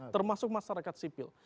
termasuk masyarakat sipil